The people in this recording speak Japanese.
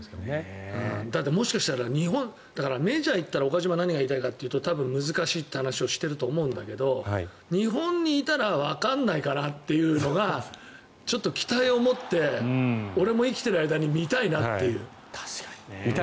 だってもしかしたら日本だからメジャーに行ったら岡島、何が言いたいか多分、難しいって話をしていると思うんだけど日本にいたらわからないからというのがちょっと期待を持って俺も生きてる間に見たいなという。